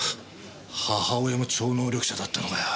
母親も超能力者だったのかよ。